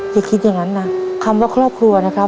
อย่าคิดอย่างนั้นนะคำว่าครอบครัวนะครับ